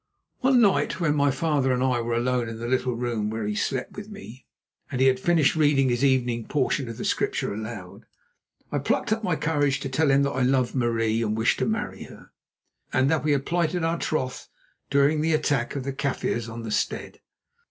One night when my father and I were alone in the little room where he slept with me, and he had finished reading his evening portion of Scripture aloud, I plucked up my courage to tell him that I loved Marie and wished to marry her, and that we had plighted our troth during the attack of the Kaffirs on the stead.